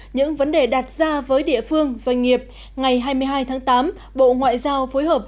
những vấn đề đặt ra với địa phương doanh nghiệp ngày hai mươi hai tháng tám bộ ngoại giao phối hợp